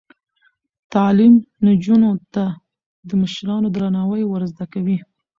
تعلیم نجونو ته د مشرانو درناوی ور زده کوي.